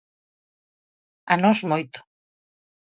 A nós moito.